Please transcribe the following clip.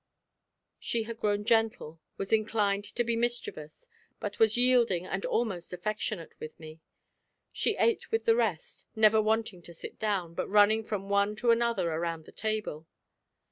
She had grown gentle, was inclined to be mischievous, but was yielding and almost affectionate with me. She ate with the rest, never wanting to sit down, but running from one to another around the table.